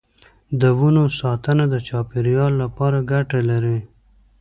د ونو ساتنه د چاپیریال لپاره ګټه لري.